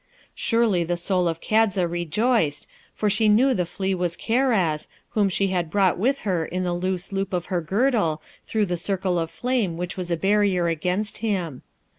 Surely, the soul of Kadza rejoiced, for she knew the flea was Karaz, whom she had brought with her in the loose loop of her girdle through the circle of flame which was a barrier against him.